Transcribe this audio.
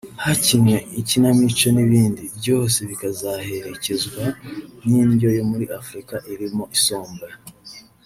hakinnwe inkinamico n’ibindi ; byose bikazaherekezwa n’indyo yo muri Afurika irimo isombe